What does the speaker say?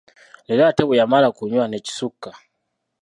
Leero ate bwe yamala kunywa ne kisukka.